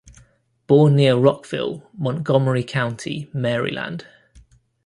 Born near Rockville, Montgomery County, Maryland.